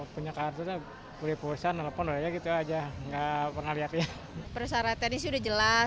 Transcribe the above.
persaraan tenis sudah jelas